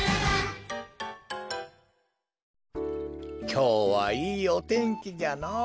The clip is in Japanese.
きょうはいいおてんきじゃのぉ。